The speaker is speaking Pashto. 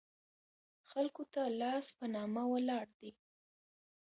خلکو ته لاس په نامه ولاړ دي.